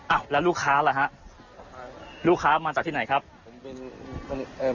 อ่ะแล้วลูกค้าล่ะฮะลูกค้ามาจากที่ไหนครับผมเป็นเอ่อ